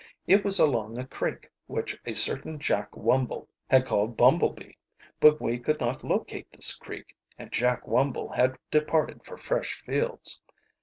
It was along a creek which a certain Jack Wumble had called Bumble Bee, but we could not locate this creek, and Jack Wumble had departed for fresh fields.